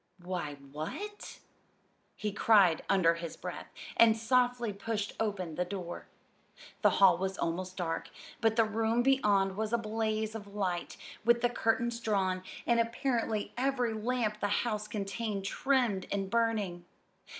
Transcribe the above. "Why, what " he cried under his breath, and softly pushed open the door. The hall was almost dark, but the room beyond was a blaze of light, with the curtains drawn, and apparently every lamp the house contained trimmed and burning.